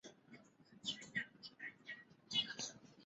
安徽嗜眼吸虫为嗜眼科嗜眼属的动物。